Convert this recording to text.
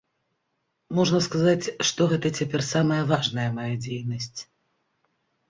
Можна сказаць, што гэта цяпер самая важная мая дзейнасць.